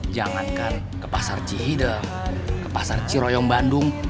jangan kan ke pasar cihideng ke pasar ciroyong bandung